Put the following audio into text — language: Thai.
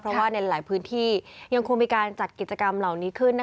เพราะว่าในหลายพื้นที่ยังคงมีการจัดกิจกรรมเหล่านี้ขึ้น